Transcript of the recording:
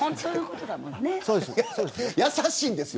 優しいんですよ